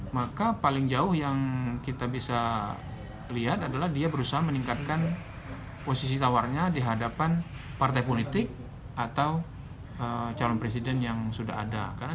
maka paling jauh yang kita bisa lihat adalah dia berusaha meningkatkan posisi tawarnya di hadapan partai politik atau calon presiden yang sudah ada